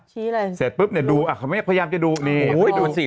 อะไรสิเสร็จปุ๊บเนี่ยดูอ่ะเขาไม่พยายามจะดูนี่อุ้ยดูสิ